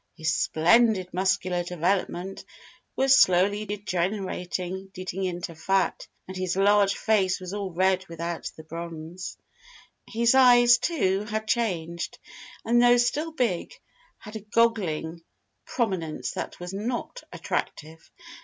His splendid muscular development was slowly degenerating into fat; and his large face was all red without the bronze. His eyes, too, had changed, and though still big had a goggling prominence that was not attractive.